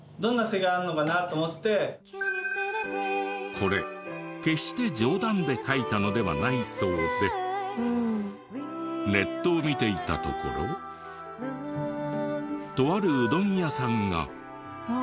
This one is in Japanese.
これ決して冗談で書いたのではないそうでネットを見ていたところとあるうどん屋さんが。